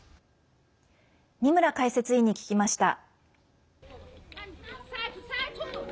二村解説委員に聞きました。